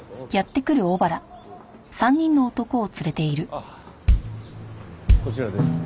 あっこちらです。